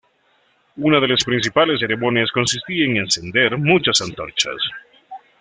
Una de las principales ceremonias consistía en encender muchas antorchas.